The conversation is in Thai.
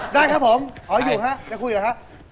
ได้ครับผมอยู่ครับจะคุยกันหรือครับ